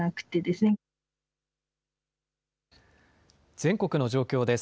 全国の状況です。